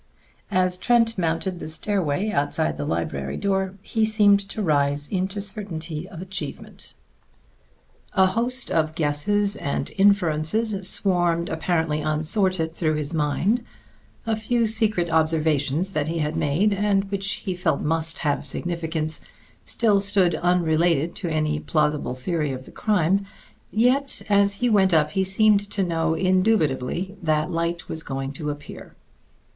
As Trent mounted the stairway outside the library door he seemed to rise into certainty of achievement. A host of guesses and inferences swarmed apparently unsorted through his mind; a few secret observations that he had made, and which he felt must have significance, still stood unrelated to any plausible theory of the crime; yet as he went up he seemed to know indubitably that light was going to appear.